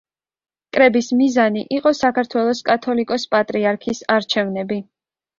კრების მიზანი იყო საქართველოს კათოლიკოს-პატრიარქის არჩევნები.